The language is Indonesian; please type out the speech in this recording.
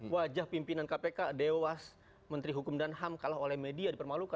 wajah pimpinan kpk dewas menteri hukum dan ham kalah oleh media dipermalukan